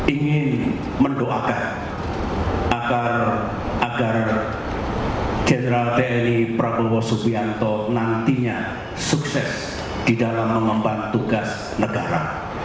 ingin mendoakan agar jenderal tni prabowo subianto nantinya sukses di dalam mengemban tugas negara